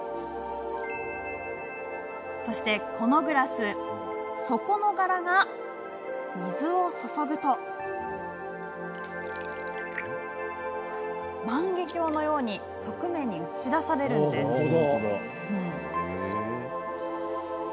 そして、このグラス底の柄が、水を注ぐと万華鏡のように側面に映し出されるんです。